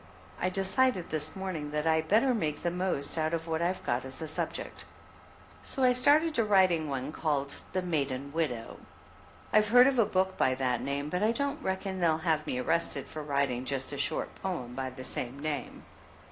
I decided this morn ing that I better make the most of what I have got as a subject, so I started to writing one called The Maiden Widow. I've heard of a book by that name, but I don't reckon they'll have me arrested for writing just a short poem by the same name.